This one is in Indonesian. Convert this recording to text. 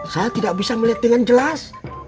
saya tidak bisa melihat dengan jelas